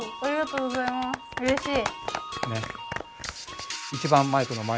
うれしい。